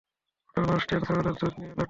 ফোটানো অস্ট্রিয়ান ছাগলের দুধ দিয়ে লাটে!